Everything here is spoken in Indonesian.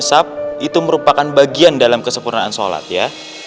itu merupakan bagian dalam kesempurnaan sholat ya